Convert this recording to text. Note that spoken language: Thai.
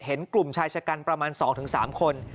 เห็นกลุ่มชายชะกันประมาณสองถึงสามคน